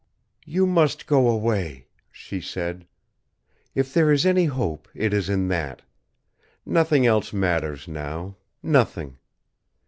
"You must go away," she said. "If there is any hope, it is in that. Nothing else matters, now; nothing!